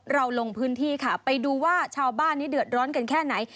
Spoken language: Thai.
เราลงพื้นที่ไปดูว่าชาวบ้านกันเกินแค่ไหน